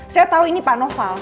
saya tahu ini pak noval